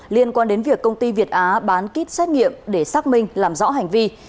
liên quan đến việc công ty việt á bán kit xét nghiệm để xác minh làm rõ hành vi